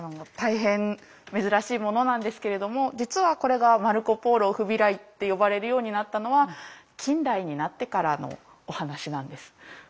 大変珍しいものなんですけれども実はこれがマルコ・ポーロフビライって呼ばれるようになったのは近代になってからのお話なんです。